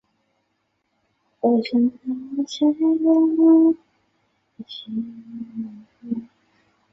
亮竿竹为禾本科井冈寒竹属下的一个种。